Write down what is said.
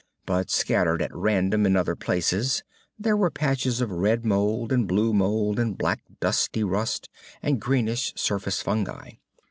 But, scattered at random in other places, there were patches of red mould and blue mould and black dusty rust and greenish surface fungi.